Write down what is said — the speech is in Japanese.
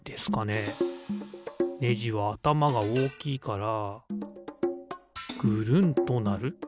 ネジはあたまがおおきいからぐるんとなる。